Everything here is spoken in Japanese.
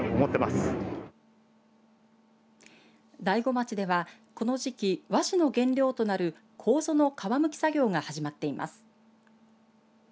大子町ではこの時期和紙の原料となるこうぞの皮むき作業が始まっています。